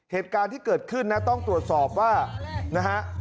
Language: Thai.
เหตุการณ์ที่เกิดขึ้นนะต้องตรวจสอบว่านะฮะ